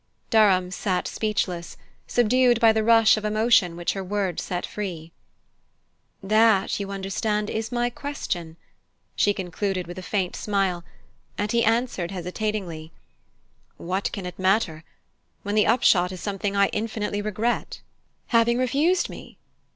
Durham sat speechless, subdued by the rush of emotion which her words set free. "That, you understand, is my question," she concluded with a faint smile; and he answered hesitatingly: "What can it matter, when the upshot is something I infinitely regret?" "Having refused me?